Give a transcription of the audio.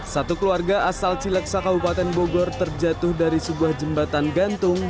satu keluarga asal cileksa kabupaten bogor terjatuh dari sebuah jembatan gantung